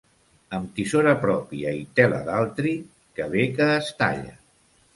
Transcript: Amb tisora pròpia i tela d'altri, que bé que es talla!